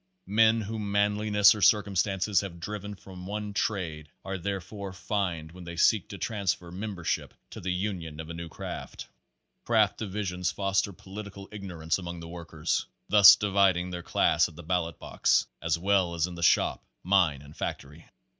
Men whom manliness or circumstances have driven from one trade are thereby fined when they seek to transfer member ship to the union of a new craft. Craft divisions foster political ignorance among the workers, thus dividing their class at the ballot box, as well as in the shop, mine and factory.